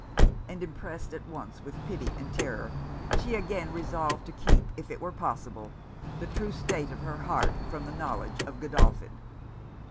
And impressed at once with pity and terror, she again resolved to keep, if it were possible, the true state of her heart from the knowledge of Godolphin.